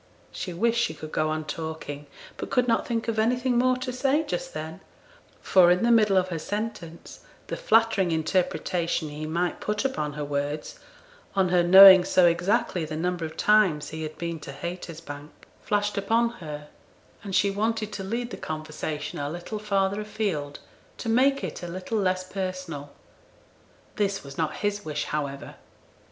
She wished she could go on talking, but could not think of anything more to say just then; for, in the middle of her sentence, the flattering interpretation he might put upon her words, on her knowing so exactly the number of times he had been to Haytersbank, flashed upon her, and she wanted to lead the conversation a little farther afield to make it a little less personal. This was not his wish, however.